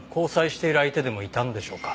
交際している相手でもいたんでしょうか？